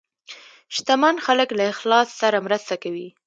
شتمن خلک له اخلاص سره مرسته کوي.